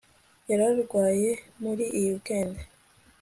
Yararwaye muri iyi weekend